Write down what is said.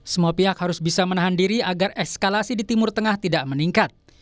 semua pihak harus bisa menahan diri agar eskalasi di timur tengah tidak meningkat